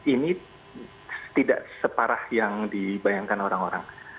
ini tidak separah yang dibayangkan orang orang